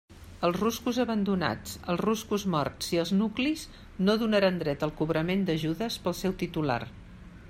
Els ruscos abandonats, els ruscos morts i els nuclis no donaran dret al cobrament d'ajudes pel seu titular.